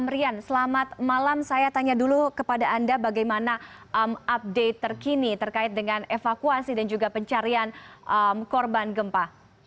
rian selamat malam saya tanya dulu kepada anda bagaimana update terkini terkait dengan evakuasi dan juga pencarian korban gempa